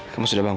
kamu sudah bangun